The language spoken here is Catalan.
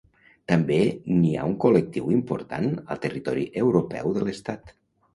També n'hi ha un col·lectiu important al territori europeu de l'estat.